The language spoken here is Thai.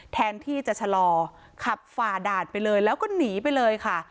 แทนที่จะชะลอขับฝ่าด่านไปเลยแล้วก็หนีไปเลยค่ะ